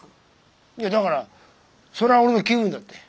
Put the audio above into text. いやだからそれは俺の気分だって。